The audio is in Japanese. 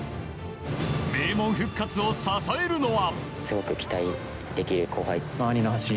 名門復活を支えるのは。